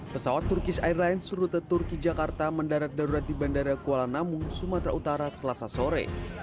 pesawat turkis airlines rute turki jakarta mendarat darurat di bandara kuala namu sumatera utara selasa sore